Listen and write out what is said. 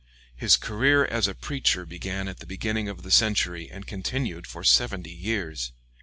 His career as a preacher began at the beginning of the century and continued for seventy years.